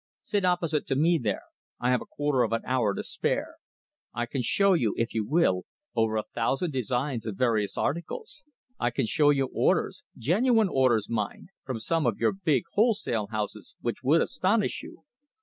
Sit opposite to me there. I have a quarter of an hour to spare. I can show you, if you will, over a thousand designs of various articles. I can show you orders genuine orders, mind from some of your big wholesale houses, which would astonish you.